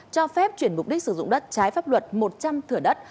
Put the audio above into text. cho phép chuyển mục đích sử dụng đất trái pháp luật một trăm linh thửa đất